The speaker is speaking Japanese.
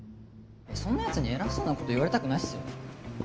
そんな奴に偉そうな事言われたくないっすよね。